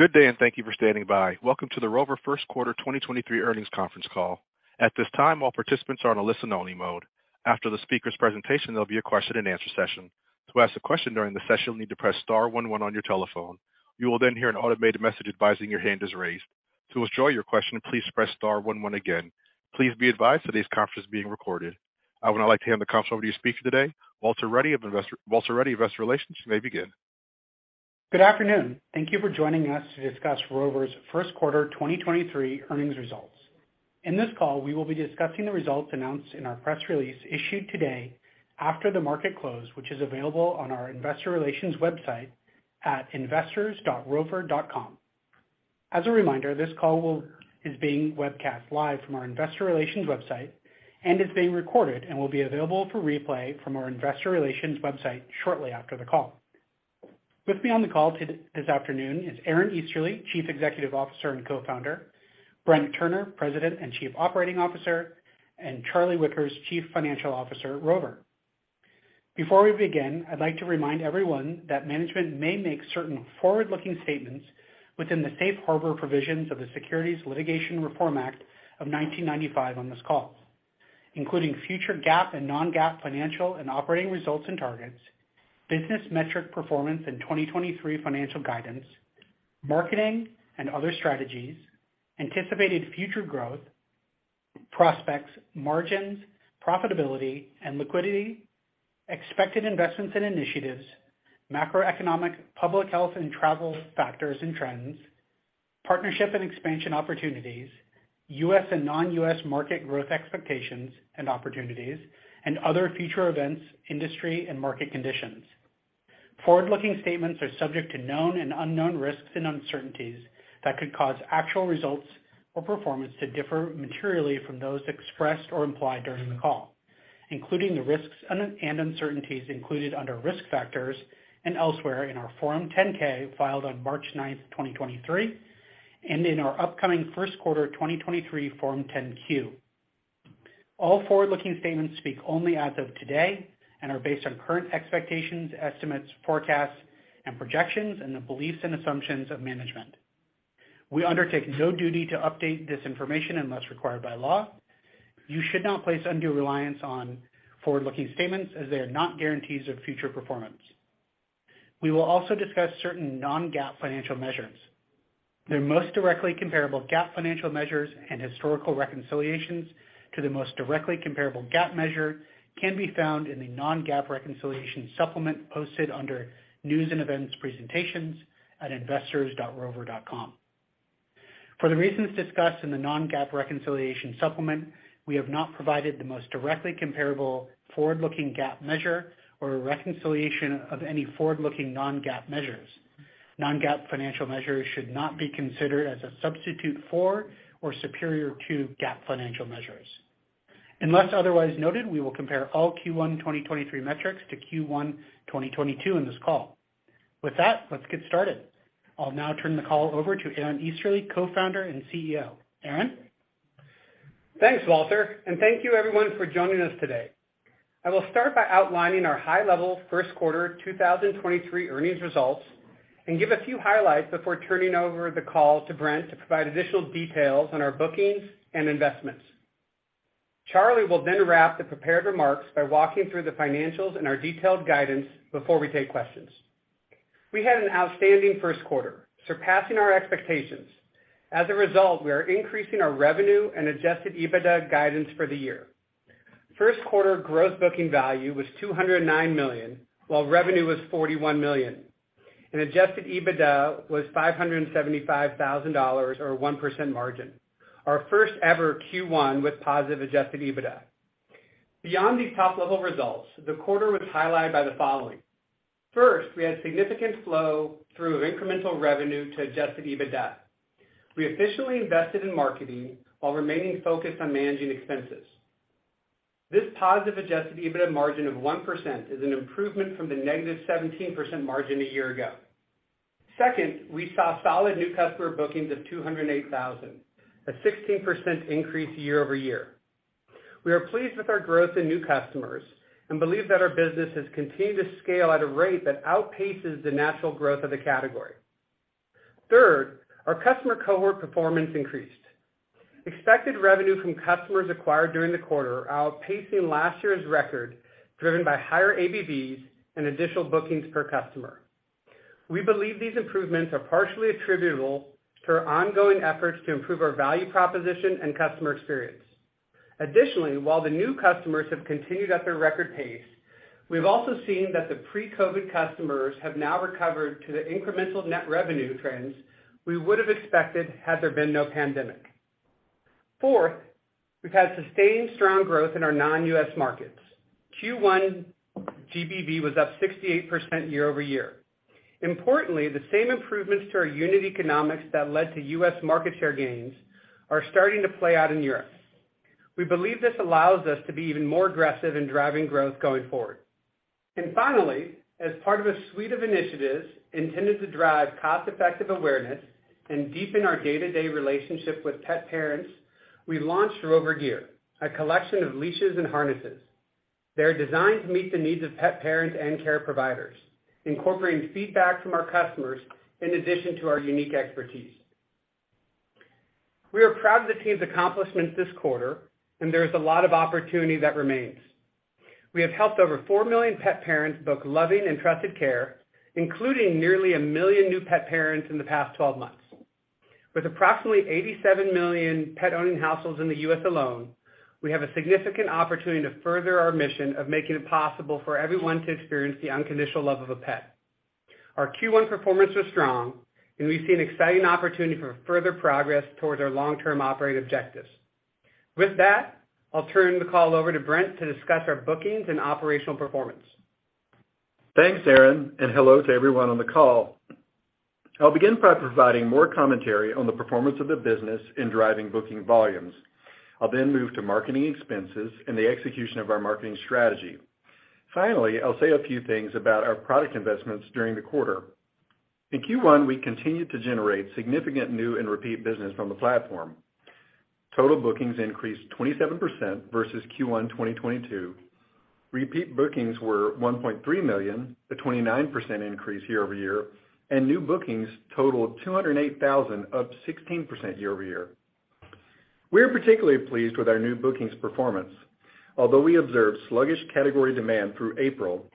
Good day, and thank you for standing by. Welcome to the Rover first quarter 2023 earnings conference call. At this time, all participants are on a listen only mode. After the speaker's presentation, there'll be a question and answer session. To ask a question during the session, you'll need to press star one one on your telephone. You will then hear an automated message advising your hand is raised. To withdraw your question, please press star one one again. Please be advised today's conference is being recorded. I would now like to hand the conference over to your speaker today, Walter Ruddy, investor relations. You may begin. Good afternoon. Thank you for joining us to discuss Rover's first quarter 2023 earnings results. In this call, we will be discussing the results announced in our press release issued today after the market close, which is available on our investor relations website at investors.rover.com. As a reminder, this call is being webcast live from our investor relations website and is being recorded and will be available for replay from our investor relations website shortly after the call. With me on the call this afternoon is Aaron Easterly, Chief Executive Officer and Co-founder, Brent Turner, President and Chief Operating Officer, and Charlie Wickers, Chief Financial Officer at Rover. Before we begin, I'd like to remind everyone that management may make certain forward-looking statements within the Safe Harbor provisions of the Private Securities Litigation Reform Act of 1995 on this call, including future GAAP and non-GAAP financial and operating results and targets, business metric performance in 2023 financial guidance, marketing and other strategies, anticipated future growth, prospects, margins, profitability and liquidity, expected investments and initiatives, macroeconomic, public health and travel factors and trends, partnership and expansion opportunities, U.S. and non-U.S. market growth expectations and opportunities, and other future events, industry and market conditions. Forward-looking statements are subject to known and unknown risks and uncertainties that could cause actual results or performance to differ materially from those expressed or implied during the call, including the risks and uncertainties included under risk factors and elsewhere in our Form 10-K filed on March 9, 2023, and in our upcoming first quarter 2023 Form 10-Q. All forward-looking statements speak only as of today and are based on current expectations, estimates, forecasts, and projections, and the beliefs and assumptions of management. We undertake no duty to update this information unless required by law. You should not place undue reliance on forward-looking statements as they are not guarantees of future performance. We will also discuss certain non-GAAP financial measures. Their most directly comparable GAAP financial measures and historical reconciliations to the most directly comparable GAAP measure can be found in the non-GAAP reconciliation supplement posted under News & Events, Presentations at investors.rover.com. For the reasons discussed in the non-GAAP reconciliation supplement, we have not provided the most directly comparable forward-looking GAAP measure or a reconciliation of any forward-looking non-GAAP measures. Non-GAAP financial measures should not be considered as a substitute for or superior to GAAP financial measures. Unless otherwise noted, we will compare all Q1 2023 metrics to Q1 2022 in this call. With that, let's get started. I'll now turn the call over to Aaron Easterly, Co-founder and CEO. Aaron? Thanks, Walter. Thank you everyone for joining us today. I will start by outlining our high-level first quarter 2023 earnings results and give a few highlights before turning over the call to Brent to provide additional details on our bookings and investments. Charlie will wrap the prepared remarks by walking through the financials and our detailed guidance before we take questions. We had an outstanding first quarter, surpassing our expectations. As a result, we are increasing our revenue and Adjusted EBITDA guidance for the year. First quarter Gross Booking Value was $209 million, while revenue was $41 million, and Adjusted EBITDA was $575,000 or 1% margin, our first ever Q1 with positive Adjusted EBITDA. Beyond these top-level results, the quarter was highlighted by the following. First, we had significant flow through of incremental revenue to Adjusted EBITDA. We efficiently invested in marketing while remaining focused on managing expenses. This positive Adjusted EBITDA margin of 1% is an improvement from the negative 17% margin a year ago. Second, we saw solid new customer bookings of 208,000, a 16% increase year-over-year. We are pleased with our growth in new customers and believe that our business has continued to scale at a rate that outpaces the natural growth of the category. Third, our customer cohort performance increased. Expected revenue from customers acquired during the quarter are outpacing last year's record, driven by higher ABV and additional bookings per customer. We believe these improvements are partially attributable to our ongoing efforts to improve our value proposition and customer experience. Additionally, while the new customers have continued at their record pace, we've also seen that the pre-COVID customers have now recovered to the incremental net revenue trends we would have expected had there been no pandemic. Fourth, we've had sustained strong growth in our non-U.S. markets. Q1 GBV was up 68% year-over-year. Importantly, the same improvements to our unit economics that led to US market share gains are starting to play out in Europe. We believe this allows us to be even more aggressive in driving growth going forward. Finally, as part of a suite of initiatives intended to drive cost-effective awareness and deepen our day-to-day relationship with pet parents, we launched Rover Gear, a collection of leashes and harnesses. They're designed to meet the needs of pet parents and care providers, incorporating feedback from our customers in addition to our unique expertise. We are proud of the team's accomplishments this quarter, and there is a lot of opportunity that remains. We have helped over 4 million pet parents book loving and trusted care, including nearly 1 million new pet parents in the past 12 months. With approximately 87 million pet-owning households in the U.S. alone, we have a significant opportunity to further our mission of making it possible for everyone to experience the unconditional love of a pet. Our Q1 performance was strong, and we see an exciting opportunity for further progress towards our long-term operating objectives. With that, I'll turn the call over to Brent to discuss our bookings and operational performance. Thanks, Aaron. Hello to everyone on the call. I'll begin by providing more commentary on the performance of the business in driving booking volumes. I'll move to marketing expenses and the execution of our marketing strategy. Finally, I'll say a few things about our product investments during the quarter. In Q1, we continued to generate significant new and repeat business from the platform. Total bookings increased 27% versus Q1 2022. Repeat bookings were 1.3 million, a 29% increase year-over-year, and new bookings totaled 208,000, up 16% year-over-year. We are particularly pleased with our new bookings performance. Although I observed sluggish category demand through April,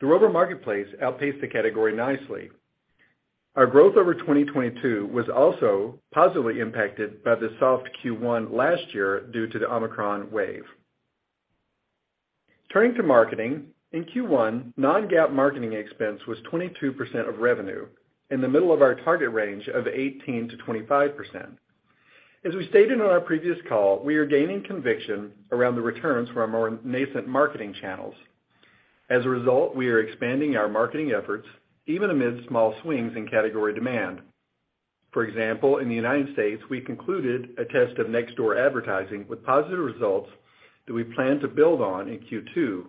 the Rover marketplace outpaced the category nicely. Our growth over 2022 was also positively impacted by the soft Q1 last year due to the Omicron wave. Turning to marketing, in Q1, non-GAAP marketing expense was 22% of revenue, in the middle of our target range of 18%-25%. We stated on our previous call, we are gaining conviction around the returns from our more nascent marketing channels. We are expanding our marketing efforts, even amid small swings in category demand. In the United States, we concluded a test of Nextdoor advertising with positive results that we plan to build on in Q2.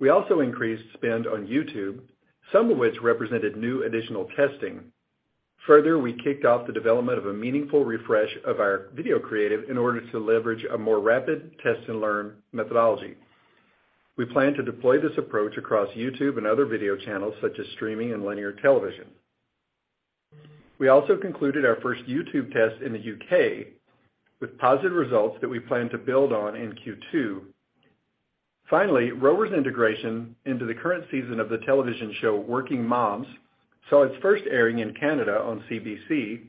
We also increased spend on YouTube, some of which represented new additional testing. We kicked off the development of a meaningful refresh of our video creative in order to leverage a more rapid test and learn methodology. We plan to deploy this approach across YouTube and other video channels such as streaming and linear television. We also concluded our first YouTube test in the U.K. with positive results that we plan to build on in Q2. Rover's integration into the current season of the television show, Workin' Moms, saw its first airing in Canada on CBC,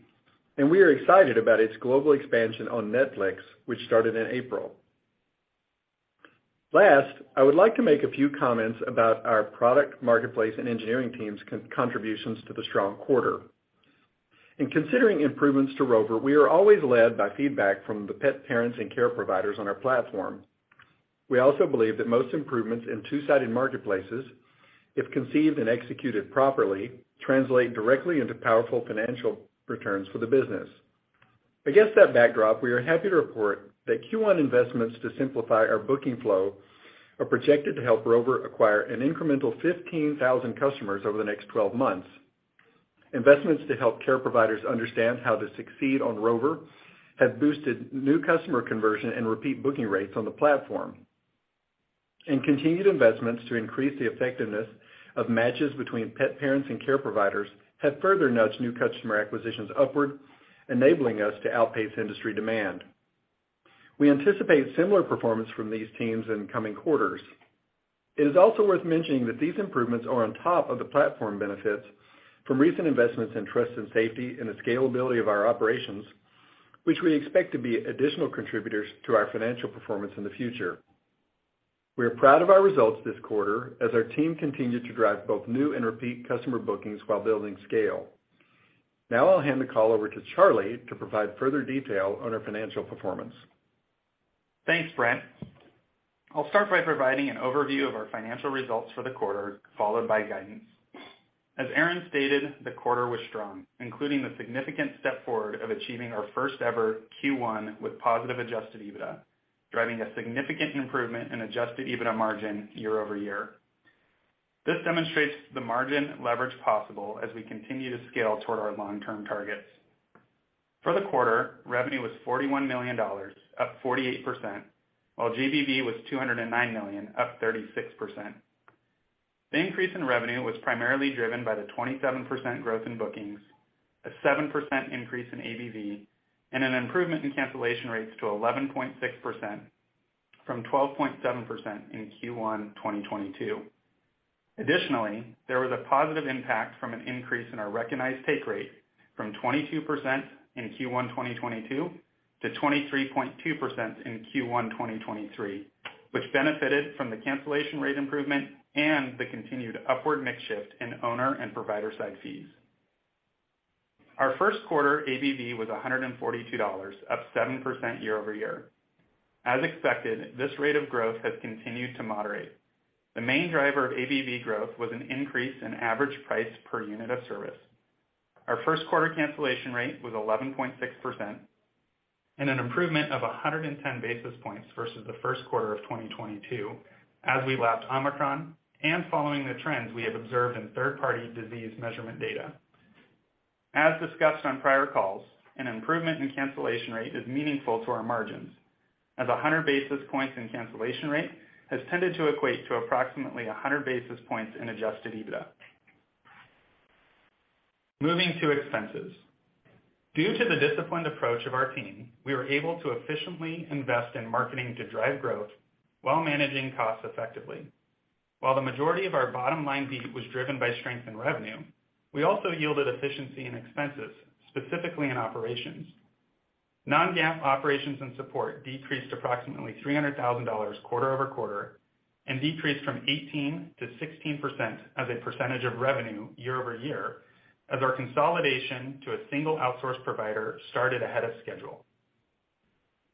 and we are excited about its global expansion on Netflix, which started in April. I would like to make a few comments about our product marketplace and engineering team's contributions to the strong quarter. In considering improvements to Rover, we are always led by feedback from the pet parents and care providers on our platform. We also believe that most improvements in two-sided marketplaces, if conceived and executed properly, translate directly into powerful financial returns for the business. Against that backdrop, we are happy to report that Q1 investments to simplify our booking flow are projected to help Rover acquire an incremental 15,000 customers over the next 12 months. Investments to help care providers understand how to succeed on Rover have boosted new customer conversion and repeat booking rates on the platform. Continued investments to increase the effectiveness of matches between pet parents and care providers have further nudged new customer acquisitions upward, enabling us to outpace industry demand. We anticipate similar performance from these teams in coming quarters. It is also worth mentioning that these improvements are on top of the platform benefits from recent investments in trust and safety and the scalability of our operations, which we expect to be additional contributors to our financial performance in the future. We are proud of our results this quarter as our team continued to drive both new and repeat customer bookings while building scale. Now I'll hand the call over to Charlie to provide further detail on our financial performance. Thanks, Brent. I'll start by providing an overview of our financial results for the quarter, followed by guidance. As Aaron stated, the quarter was strong, including the significant step forward of achieving our first ever Q1 with positive Adjusted EBITDA, driving a significant improvement in Adjusted EBITDA margin year-over-year. This demonstrates the margin leverage possible as we continue to scale toward our long-term targets. For the quarter, revenue was $41 million, up 48%, while GBV was $209 million, up 36%. The increase in revenue was primarily driven by the 27% growth in bookings, a 7% increase in ABV, and an improvement in cancellation rates to 11.6% from 12.7% in Q1 2022. Additionally, there was a positive impact from an increase in our recognized take rate from 22% in Q1 2022 to 23.2% in Q1 2023, which benefited from the cancellation rate improvement and the continued upward mix shift in owner and provider side fees. Our first quarter ABV was $142, up 7% year-over-year. As expected, this rate of growth has continued to moderate. The main driver of ABV growth was an increase in average price per unit of service. Our first quarter cancellation rate was 11.6% and an improvement of 110 basis points versus the first quarter of 2022 as we lapped Omicron and following the trends we have observed in third-party disease measurement data. As discussed on prior calls, an improvement in cancellation rate is meaningful to our margins, as 100 basis points in cancellation rate has tended to equate to approximately 100 basis points in Adjusted EBITDA. Moving to expenses. Due to the disciplined approach of our team, we were able to efficiently invest in marketing to drive growth while managing costs effectively. While the majority of our bottom line beat was driven by strength in revenue, we also yielded efficiency in expenses, specifically in operations. Non-GAAP operations and support decreased approximately $300,000 quarter-over-quarter and decreased from 18%-16% as a percentage of revenue year-over-year as our consolidation to a single outsource provider started ahead of schedule.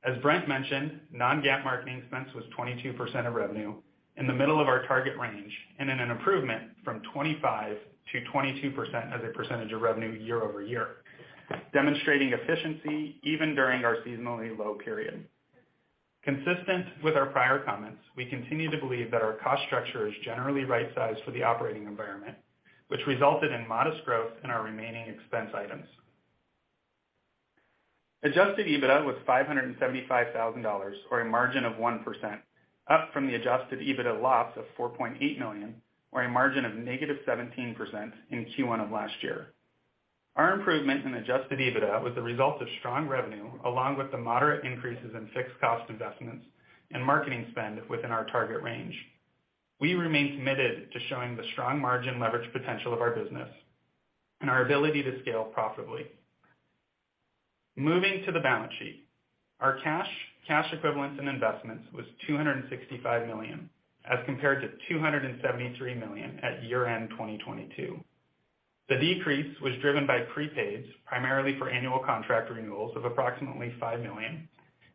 As Brent mentioned, non-GAAP marketing expense was 22% of revenue in the middle of our target range and in an improvement from 25%-22% as a percentage of revenue year-over-year, demonstrating efficiency even during our seasonally low period. Consistent with our prior comments, we continue to believe that our cost structure is generally right-sized for the operating environment, which resulted in modest growth in our remaining expense items. Adjusted EBITDA was $575,000, or a margin of 1%, up from the Adjusted EBITDA loss of $4.8 million, or a margin of negative 17% in Q1 of last year. Our improvement in Adjusted EBITDA was the result of strong revenue, along with the moderate increases in fixed cost investments and marketing spend within our target range. We remain committed to showing the strong margin leverage potential of our business and our ability to scale profitably. Moving to the balance sheet. Our cash equivalents, and investments was $265 million, as compared to $273 million at year-end 2022. The decrease was driven by prepaids, primarily for annual contract renewals of approximately $5 million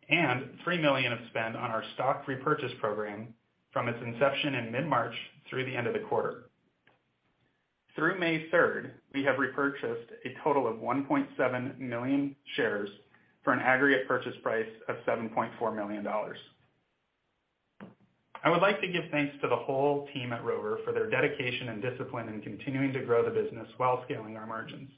and $3 million of spend on our stock repurchase program from its inception in mid-March through the end of the quarter. Through May third, we have repurchased a total of 1.7 million shares for an aggregate purchase price of $7.4 million. I would like to give thanks to the whole team at Rover for their dedication and discipline in continuing to grow the business while scaling our margins.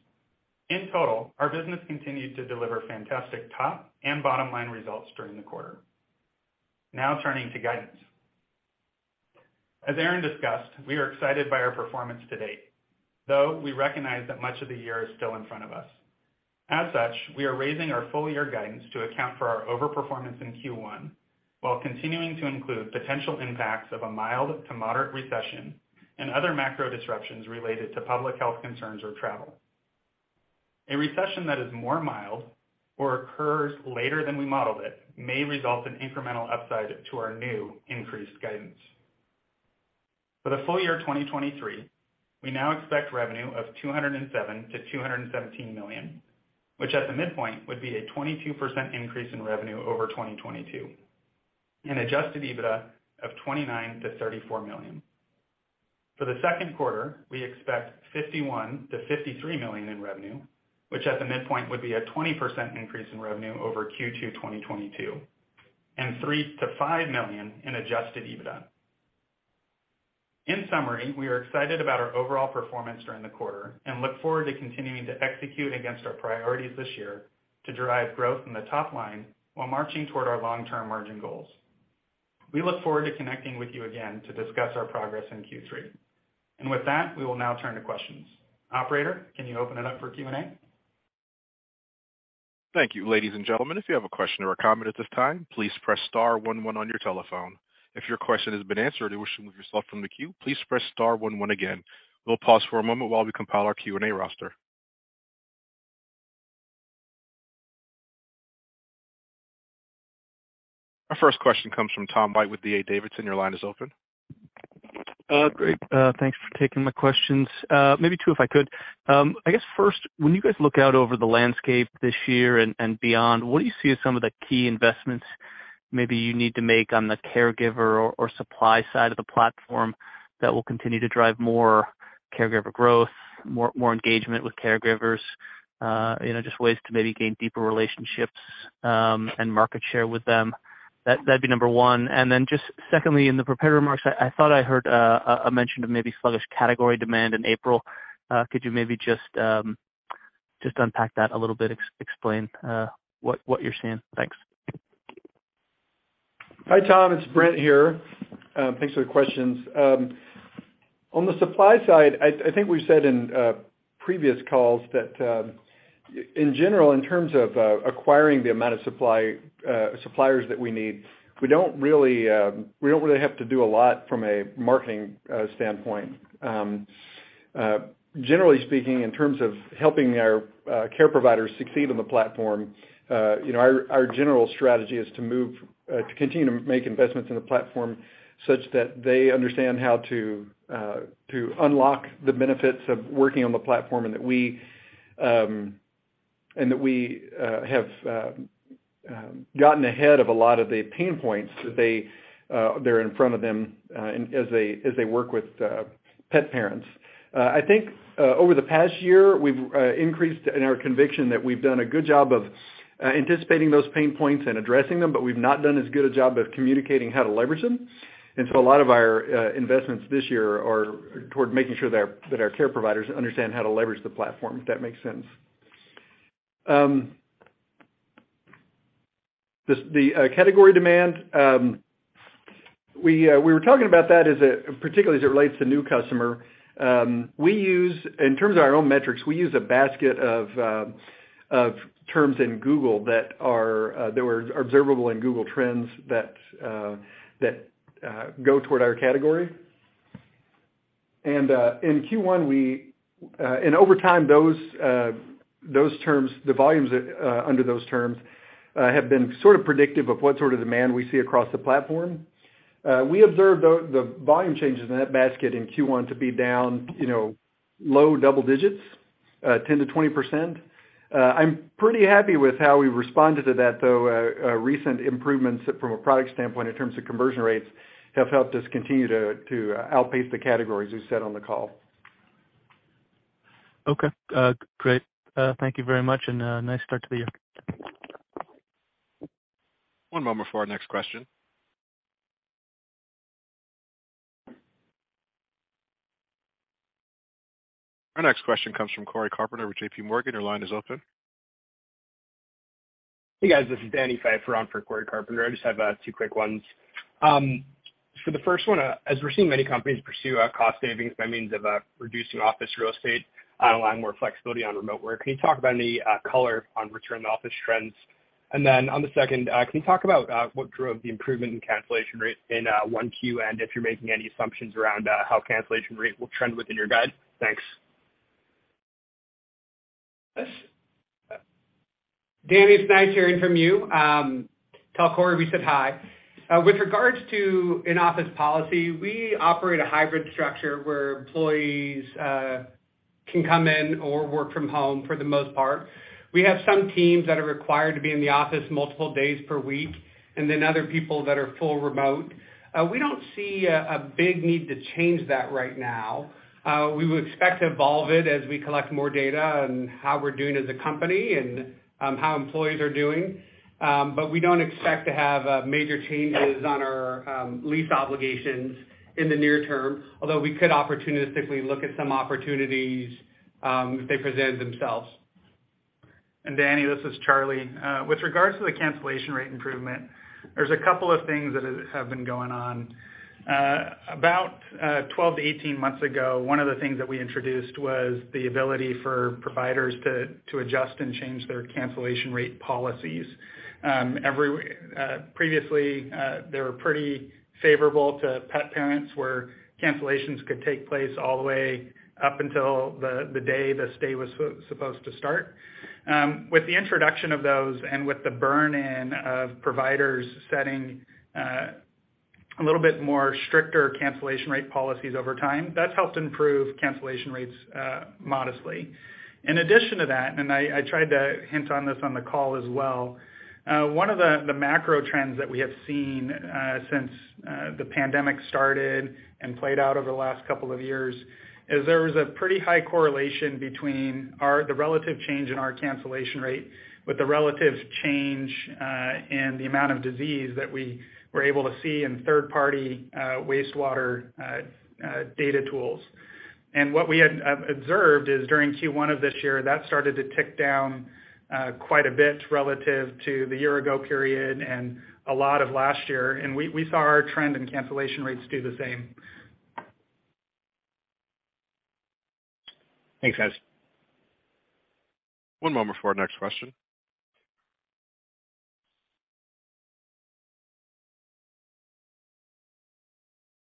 In total, our business continued to deliver fantastic top and bottom-line results during the quarter. Now turning to guidance. As Aaron discussed, we are excited by our performance to date, though we recognize that much of the year is still in front of us. As such, we are raising our full-year guidance to account for our overperformance in Q1 while continuing to include potential impacts of a mild to moderate recession and other macro disruptions related to public health concerns or travel. A recession that is more mild or occurs later than we modeled it may result in incremental upside to our new increased guidance. For the full year 2023, we now expect revenue of $207 million-$217 million, which at the midpoint would be a 22% increase in revenue over 2022, and Adjusted EBITDA of $29 million-$34 million. For the second quarter, we expect $51 million-$53 million in revenue, which at the midpoint would be a 20% increase in revenue over Q2 2022, and $3 million-$5 million in Adjusted EBITDA. In summary, we are excited about our overall performance during the quarter and look forward to continuing to execute against our priorities this year to derive growth in the top line while marching toward our long-term margin goals. We look forward to connecting with you again to discuss our progress in Q3. With that, we will now turn to questions. Operator, can you open it up for Q&A? Thank you. Ladies and gentlemen, if you have a question or a comment at this time, please press star one one on your telephone. If your question has been answered and you wish to remove yourself from the queue, please press star one one again. We'll pause for a moment while we compile our Q&A roster. Our first question comes from Tom White with D.A. Davidson. Your line is open. Great. Thanks for taking my questions. Maybe two if I could. I guess first, when you guys look out over the landscape this year and beyond, what do you see as some of the key investments maybe you need to make on the caregiver or supply side of the platform that will continue to drive more caregiver growth, more engagement with caregivers, you know, just ways to maybe gain deeper relationships, and market share with them? That'd be number one. Just secondly, in the prepared remarks, I thought I heard a mention of maybe sluggish category demand in April. Could you maybe just unpack that a little bit, explain what you're seeing? Thanks. Hi, Tom, it's Brent here. Thanks for the questions. On the supply side, I think we've said in previous calls that in general, in terms of acquiring the amount of supply, suppliers that we need, we don't really have to do a lot from a marketing standpoint. Generally speaking, in terms of helping our care providers succeed on the platform, you know, our general strategy is to continue to make investments in the platform such that they understand how to unlock the benefits of working on the platform and that we have gotten ahead of a lot of the pain points that they're in front of them as they work with pet parents. I think, over the past year, we've increased in our conviction that we've done a good job of anticipating those pain points and addressing them, but we've not done as good a job of communicating how to leverage them. A lot of our investments this year are toward making sure that our care providers understand how to leverage the platform, if that makes sense. The category demand, we were talking about that as it particularly relates to new customer. We use, in terms of our own metrics, we use a basket of terms in Google that are that were observable in Google Trends that that go toward our category. In Q1, we and over time, those those terms, the volumes under those terms have been sort of predictive of what sort of demand we see across the platform. We observed the volume changes in that basket in Q1 to be down, you know, low double digits, 10%-20%. I'm pretty happy with how we responded to that, though, recent improvements from a product standpoint in terms of conversion rates have helped us continue to outpace the categories we set on the call. Okay. great. thank you very much, and, nice start to the year. One moment for our next question. Our next question comes from Cory Carpenter with JPMorgan. Your line is open. Hey, guys. This is Danny Pfeiffer on for Cory Carpenter. I just have two quick ones. For the first one, as we're seeing many companies pursue cost savings by means of reducing office real estate and allowing more flexibility on remote work, can you talk about any color on return to office trends? On the second, can you talk about what drove the improvement in cancellation rates in 1Q, and if you're making any assumptions around how cancellation rate will trend within your guide? Thanks. Danny, it's nice hearing from you. Tell Cory we said hi. With regards to in-office policy, we operate a hybrid structure where employees can come in or work from home for the most part. We have some teams that are required to be in the office multiple days per week, and then other people that are full remote. We don't see a big need to change that right now. We would expect to evolve it as we collect more data on how we're doing as a company and how employees are doing. We don't expect to have major changes on our lease obligations in the near term, although we could opportunistically look at some opportunities if they present themselves. Danny Pfeiffer, this is Charlie Wickers. With regards to the cancellation rate improvement, there's a couple of things that have been going on. About 12 to 18 months ago, one of the things that we introduced was the ability for providers to adjust and change their cancellation rate policies. Previously, they were pretty favorable to pet parents, where cancellations could take place all the way up until the day the stay was supposed to start. With the introduction of those and with the burn-in of providers setting a little bit more stricter cancellation rate policies over time, that's helped improve cancellation rates modestly. In addition to that, I tried to hint on this on the call as well, one of the macro trends that we have seen since the pandemic started and played out over the last couple of years is there was a pretty high correlation between the relative change in our cancellation rate with the relative change in the amount of disease that we were able to see in third party wastewater data tools. What we had observed is during Q1 of this year, that started to tick down quite a bit relative to the year ago period and a lot of last year. We saw our trend in cancellation rates do the same. Thanks, guys. One moment for our next question.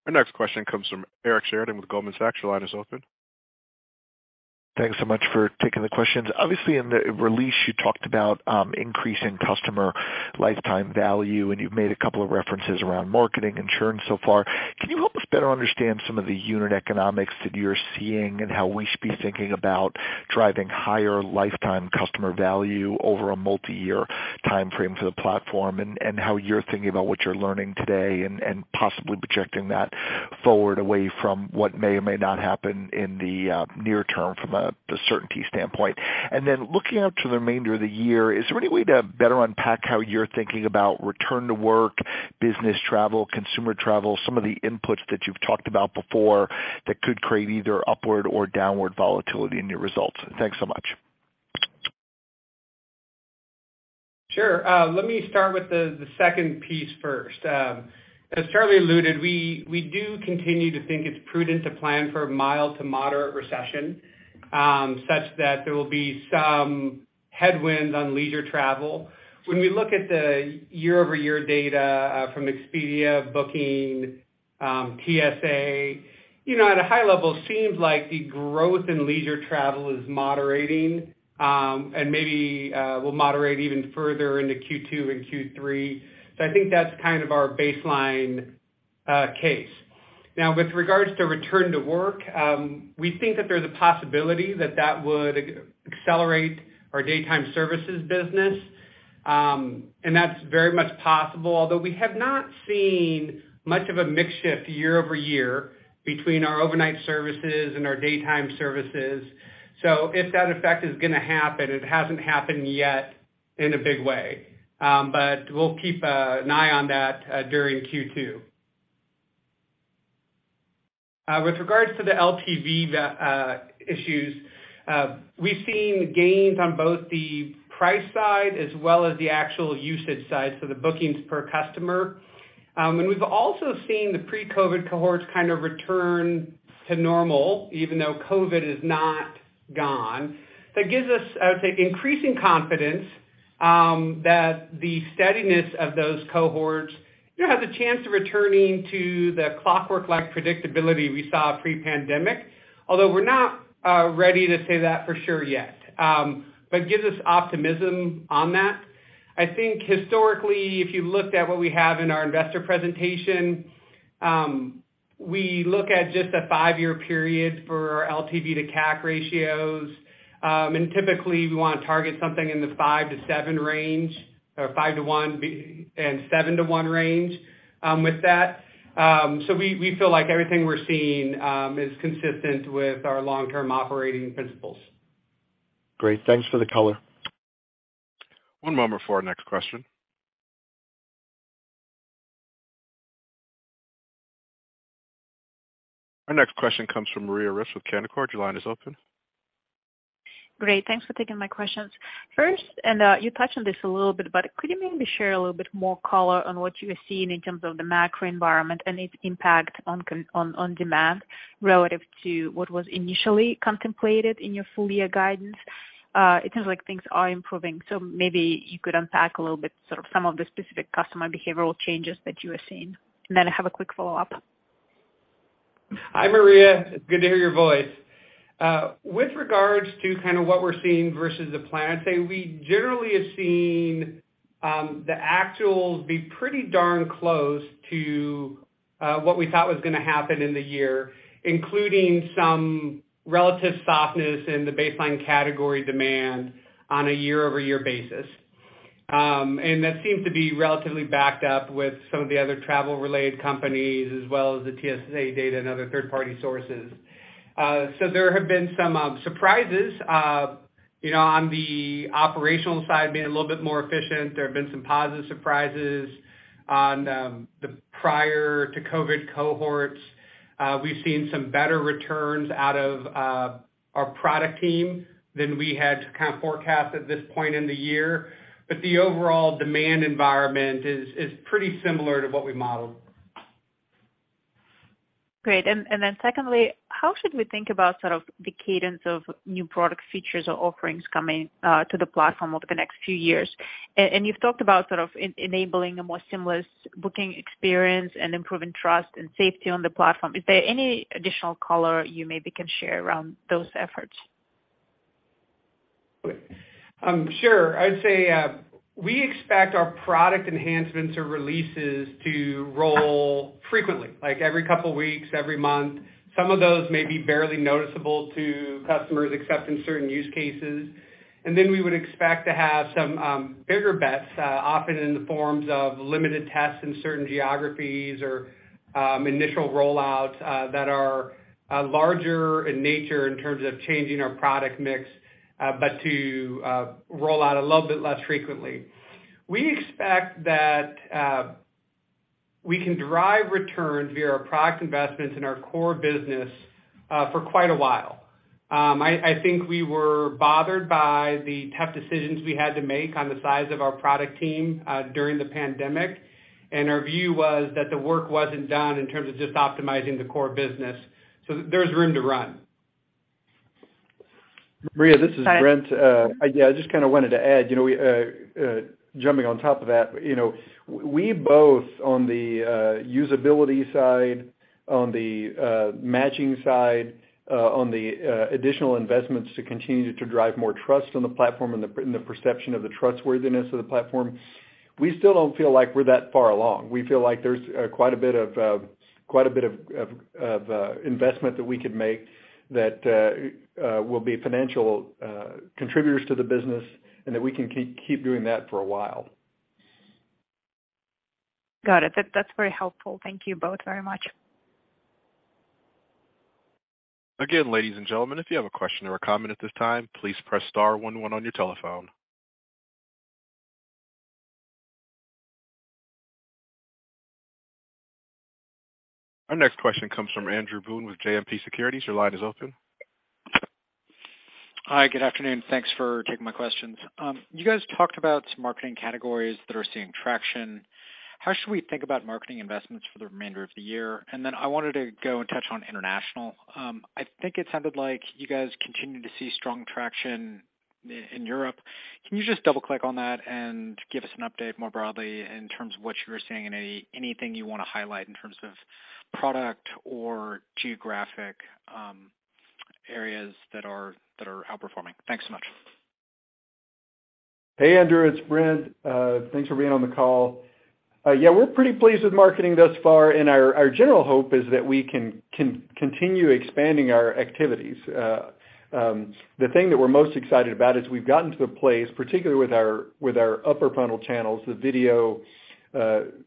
Our next question comes from Eric Sheridan with Goldman Sachs. Your line is open. Thanks so much for taking the questions. Obviously, in the release, you talked about increasing customer lifetime value, and you've made a couple of references around marketing insurance so far. Can you help us better understand some of the unit economics that you're seeing and how we should be thinking about driving higher lifetime customer value over a multiyear timeframe for the platform, and how you're thinking about what you're learning today and possibly projecting that forward away from what may or may not happen in the near term from the certainty standpoint? Looking out to the remainder of the year, is there any way to better unpack how you're thinking about return to work, business travel, consumer travel, some of the inputs that you've talked about before that could create either upward or downward volatility in your results? Thanks so much. Sure. Let me start with the second piece first. As Charlie alluded, we do continue to think it's prudent to plan for a mild to moderate recession, such that there will be some headwinds on leisure travel. When we look at the year-over-year data, from Expedia, Booking, TSA, you know, at a high level, seems like the growth in leisure travel is moderating, and maybe will moderate even further into Q2 and Q3. I think that's kind of our baseline case. Now with regards to return to work, we think that there's a possibility that that would accelerate our daytime services business, and that's very much possible. Although we have not seen much of a mix shift year-over-year between our overnight services and our daytime services. If that effect is gonna happen, it hasn't happened yet in a big way. We'll keep an eye on that during Q2. With regards to the LTV issues, we've seen gains on both the price side as well as the actual usage side, so the bookings per customer. We've also seen the pre-COVID cohorts kind of return to normal even though COVID is not gone. That gives us, I would say, increasing confidence that the steadiness of those cohorts, you know, has a chance of returning to the clockwork-like predictability we saw pre-pandemic. Although we're not ready to say that for sure yet. Gives us optimism on that. I think historically, if you looked at what we have in our investor presentation, we look at just a 5-year period for LTV to CAC ratios. Typically we wanna target something in the five-seven range or five-one and seven-one range with that. We feel like everything we're seeing is consistent with our long-term operating principles. Great. Thanks for the color. One moment for our next question. Our next question comes from Maria Ripps with Canaccord. Your line is open. Great. Thanks for taking my questions. First, and you touched on this a little bit, but could you maybe share a little bit more color on what you are seeing in terms of the macro environment and its impact on demand relative to what was initially contemplated in your full year guidance? It sounds like things are improving, so maybe you could unpack a little bit sort of some of the specific customer behavioral changes that you are seeing. I have a quick follow-up. Hi, Maria. It's good to hear your voice. with regards to kinda what we're seeing versus the plan, I'd say we generally have seen the actuals be pretty darn close to what we thought was gonna happen in the year, including some relative softness in the baseline category demand on a year-over-year basis. That seems to be relatively backed up with some of the other travel-related companies as well as the TSA data and other third-party sources. There have been some surprises, you know, on the operational side, being a little bit more efficient. There have been some positive surprises on the prior to COVID cohorts. We've seen some better returns out of our product team than we had kind of forecast at this point in the year. The overall demand environment is pretty similar to what we modeled. Great. Then secondly, how should we think about sort of the cadence of new product features or offerings coming to the platform over the next few years? You've talked about sort of enabling a more seamless booking experience and improving trust and safety on the platform. Is there any additional color you maybe can share around those efforts? Sure. I'd say, we expect our product enhancements or releases to roll frequently, like every couple weeks, every month. Some of those may be barely noticeable to customers except in certain use cases. We would expect to have some, bigger bets, often in the forms of limited tests in certain geographies or, initial rollouts, that are, larger in nature in terms of changing our product mix, but to roll out a little bit less frequently. We expect that, we can drive returns via our product investments in our core business, for quite a while. I think we were bothered by the tough decisions we had to make on the size of our product team, during the pandemic, and our view was that the work wasn't done in terms of just optimizing the core business, so there's room to run. Maria, this is Brent. Hi. I, yeah, I just kinda wanted to add, you know, we, jumping on top of that, you know, we both on the usability side, on the matching side, on the additional investments to continue to drive more trust on the platform and the perception of the trustworthiness of the platform, we still don't feel like we're that far along. We feel like there's quite a bit of investment that we could make that will be financial, contributors to the business and that we can keep doing that for a while. Got it. That's very helpful. Thank you both very much. Again, ladies and gentlemen, if you have a question or a comment at this time, please press star 11 on your telephone. Our next question comes from Andrew Boone with JMP Securities. Your line is open. Hi, good afternoon. Thanks for taking my questions. You guys talked about some marketing categories that are seeing traction. How should we think about marketing investments for the remainder of the year? I wanted to go and touch on international. I think it sounded like you guys continue to see strong traction in Europe. Can you just double click on that and give us an update more broadly in terms of what you are seeing and anything you wanna highlight in terms of product or geographic areas that are outperforming? Thanks so much. Hey, Andrew. It's Brent. thanks for being on the call. yeah, we're pretty pleased with marketing thus far, and our general hope is that we can continue expanding our activities. the thing that we're most excited about is we've gotten to a place, particularly with our, with our upper funnel channels, the video,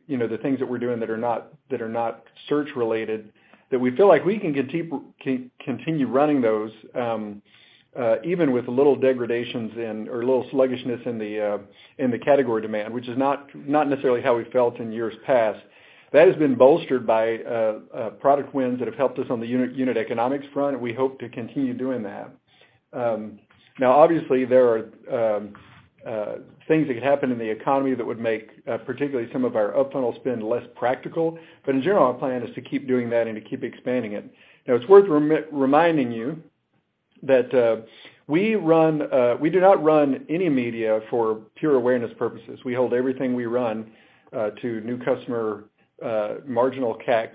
you know, the things that we're doing that are not search related, that we feel like we can continue running those, even with a little degradations in or a little sluggishness in the category demand, which is not necessarily how we felt in years past. That has been bolstered by product wins that have helped us on the unit economics front, and we hope to continue doing that. Now obviously there are things that could happen in the economy that would make particularly some of our up funnel spend less practical, but in general, our plan is to keep doing that and to keep expanding it. Now it's worth reminding you that we run, we do not run any media for pure awareness purposes. We hold everything we run to new customer marginal CAC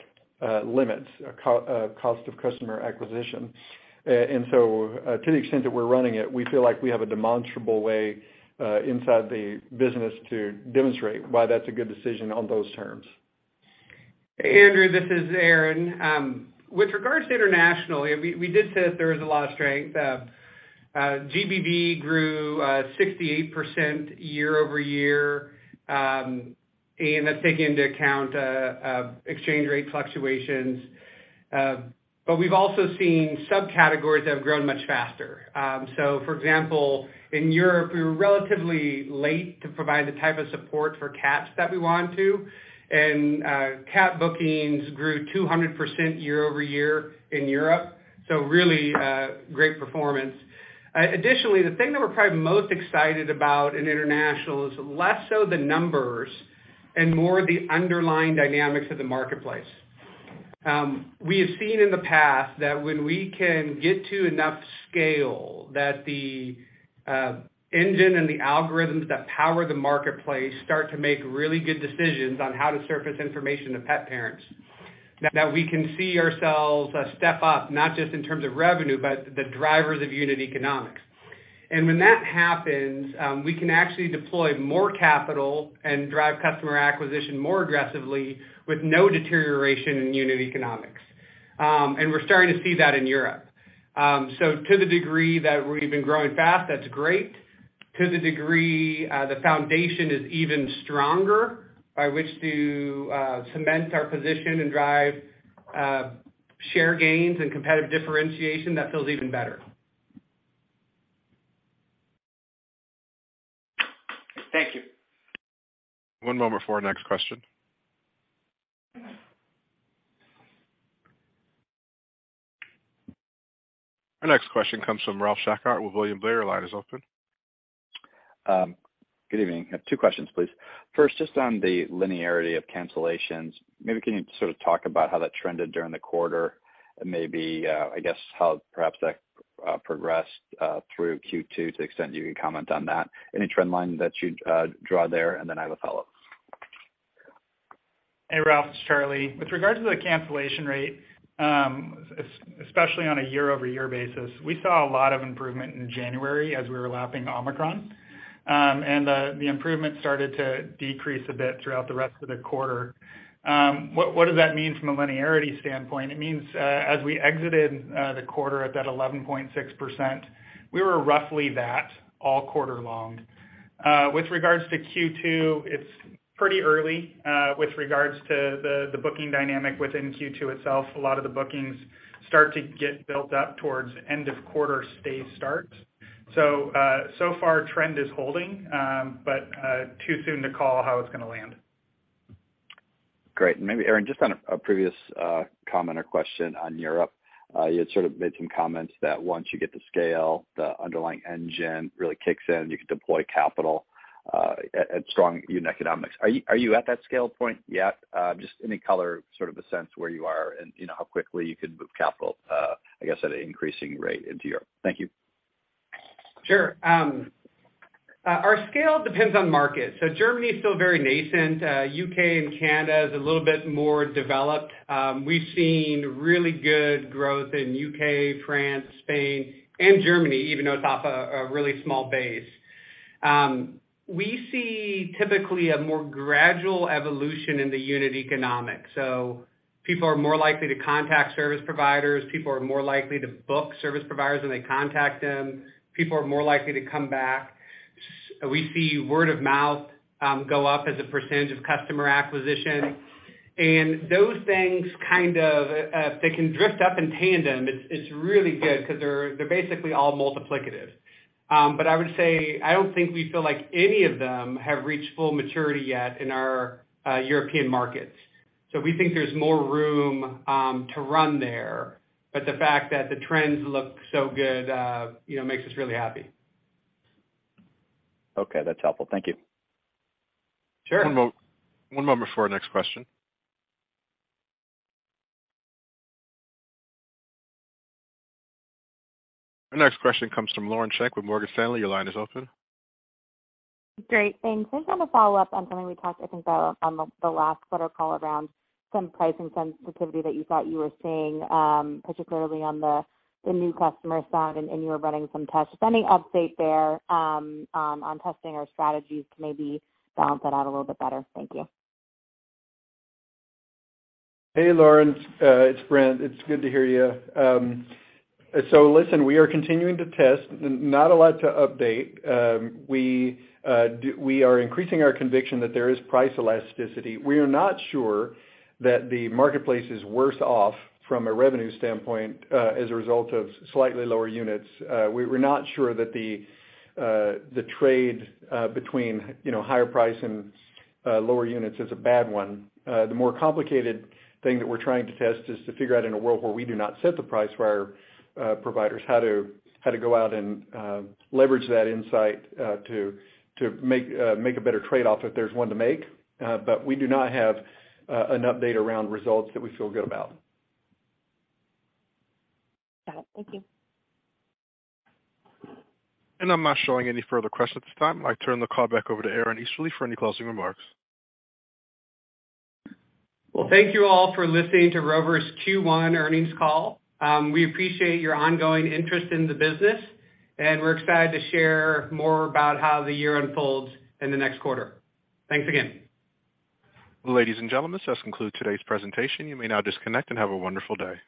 limits, cost of customer acquisition. To the extent that we're running it, we feel like we have a demonstrable way inside the business to demonstrate why that's a good decision on those terms. Andrew, this is Aaron. With regards to internationally, we did say that there was a lot of strength. GBV grew 68% year-over-year, and that's taking into account exchange rate fluctuations. We've also seen subcategories that have grown much faster. For example, in Europe, we were relatively late to provide the type of support for cats that we wanted to. Cat bookings grew 200% year-over-year in Europe, really great performance. Additionally, the thing that we're probably most excited about in international is less so the numbers and more the underlying dynamics of the marketplace. We have seen in the past that when we can get to enough scale that the engine and the algorithms that power the marketplace start to make really good decisions on how to surface information to pet parents, that we can see ourselves step up, not just in terms of revenue, but the drivers of unit economics. When that happens, we can actually deploy more capital and drive customer acquisition more aggressively with no deterioration in unit economics. We're starting to see that in Europe. To the degree that we've been growing fast, that's great. To the degree the foundation is even stronger by which to cement our position and drive share gains and competitive differentiation, that feels even better. Thank you. One moment for our next question. Our next question comes from Ralph Schackart with William Blair. Your line is open. Good evening. I have two questions, please. First, just on the linearity of cancellations, maybe can you sort of talk about how that trended during the quarter and maybe, I guess how perhaps that progressed through Q2 to the extent you can comment on that? Any trend line that you'd draw there? I have a follow-up. Hey, Ralph, it's Charlie. With regards to the cancellation rate, especially on a year-over-year basis, we saw a lot of improvement in January as we were lapping Omicron. The improvement started to decrease a bit throughout the rest of the quarter. What does that mean from a linearity standpoint? It means, as we exited, the quarter at that 11.6%, we were roughly that all quarter long. With regards to Q2, it's pretty early, with regards to the booking dynamic within Q2 itself. A lot of the bookings start to get built up towards end of quarter stay starts. So far trend is holding, but too soon to call how it's gonna land. Great. Maybe Aaron, just on a previous comment or question on Europe, you had sort of made some comments that once you get to scale, the underlying engine really kicks in. You can deploy capital at strong unit economics. Are you at that scale point yet? Just any color, sort of a sense where you are and you know, how quickly you can move capital, I guess at an increasing rate into Europe. Thank you. Sure. Our scale depends on market. Germany is still very nascent. U.K. and Canada is a little bit more developed. We've seen really good growth in U.K., France, Spain, and Germany, even though it's off a really small base. We see typically a more gradual evolution in the unit economics. People are more likely to contact service providers. People are more likely to book service providers when they contact them. People are more likely to come back. We see word of mouth go up as a percentage of customer acquisition. Those things kind of, they can drift up in tandem. It's really good because they're basically all multiplicative. I would say, I don't think we feel like any of them have reached full maturity yet in our European markets. We think there's more room to run there. The fact that the trends look so good, you know, makes us really happy. Okay, that's helpful. Thank you. Sure. One moment before our next question. Our next question comes from Lauren Schenk with Morgan Stanley. Your line is open. Great. Thanks. Just wanna follow up on something we talked, I think, on the last quarter call around some pricing sensitivity that you thought you were seeing, particularly on the new customer side and you were running some tests. Just any update there on testing or strategies to maybe balance that out a little bit better? Thank you. Hey, Lauren. It's Brent. It's good to hear you. Listen, we are continuing to test. Not a lot to update. We are increasing our conviction that there is price elasticity. We are not sure that the marketplace is worse off from a revenue standpoint as a result of slightly lower units. We're not sure that the trade between, you know, higher price and lower units is a bad one. The more complicated thing that we're trying to test is to figure out in a world where we do not set the price for our providers, how to go out and leverage that insight to make a better trade-off if there's one to make. We do not have an update around results that we feel good about. Got it. Thank you. I'm not showing any further questions at this time. I turn the call back over to Aaron Easterly for any closing remarks. Thank you all for listening to Rover's Q1 earnings call. We appreciate your ongoing interest in the business, and we're excited to share more about how the year unfolds in the next quarter. Thanks again. Ladies and gentlemen, this concludes today's presentation. You may now disconnect and have a wonderful day.